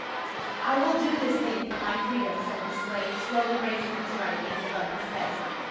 " I will do this thing for my freedom," said the slave, slowly raising his right hand above his head.